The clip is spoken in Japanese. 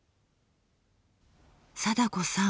貞子さん